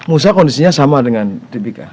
musa kondisinya sama dengan di pika